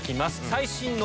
最新の。